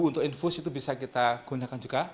untuk infus itu bisa kita gunakan juga